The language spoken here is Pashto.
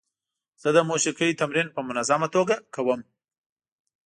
زه د موسیقۍ تمرین په منظمه توګه کوم.